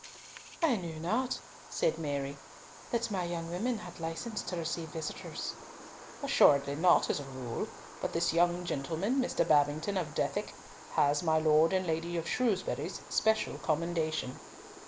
"I knew not," said Mary, "that my women had license to receive visitors." "Assuredly not, as a rule, but this young gentleman, Mr. Babington of Dethick, has my Lord and Lady of Shrewsbury's special commendation."